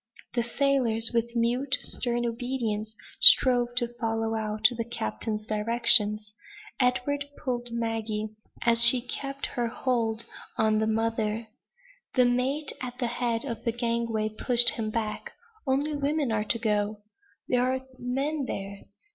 The sailors, with mute, stern obedience, strove to follow out the captain's directions. Edward pulled Maggie, and she kept her hold on the mother. The mate, at the head of the gangway, pushed him back. "Only women are to go!" "There are men there."